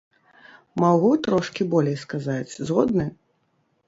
Магу трошкі болей сказаць, згодны?